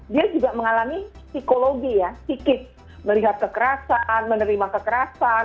dia juga mengalami psikologi ya psikis melihat kekerasan menerima kekerasan